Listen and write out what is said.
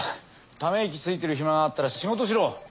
ため息ついてる暇があったら仕事しろ。